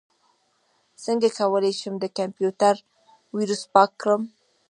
څنګه کولی شم د کمپیوټر ویروس پاک کړم